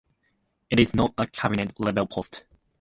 It is not a cabinet-level post.